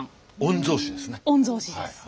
御曹司ですね。